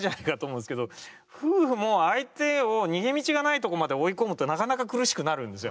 夫婦も相手を逃げ道がないところまで追い込むとなかなか苦しくなるんですよ。